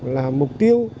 là mục tiêu